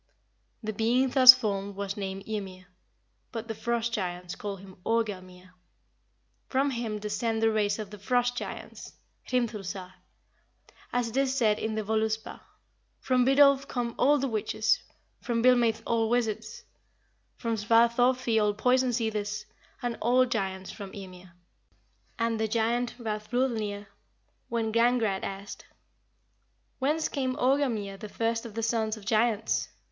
The being thus formed was named Ymir, but the Frost giants call him Orgelmir. From him descend the race of the Frost giants (Hrimthursar), as it is said in the Voluspa, 'From Vidolf come all witches; from Vilmeith all wizards; from Svarthofdi all poison seethers; and all giants from Ymir.' And the giant Vafthrûdnir, when Gangrad asked, 'Whence came Orgelmir the first of the sons of giants?'